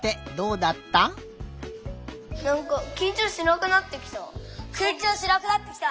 なんかいいやすくなってきた。